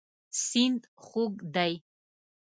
سیند خوږ دی.